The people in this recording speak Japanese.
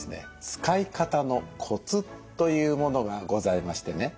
使い方のコツというものがございましてね。